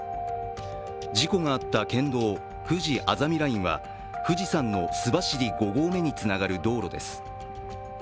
事故があった県道ふじあざみラインは富士山の須走５合目につながる道路です。